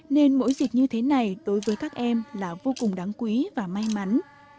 nên mỗi dịp như thế này đối với các em là vô cùng đáng quý và may mắn